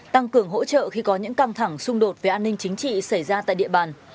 tăng cường hỗ trợ khi có những căng thẳng xung đột về an ninh chính trị xảy ra tại địa bàn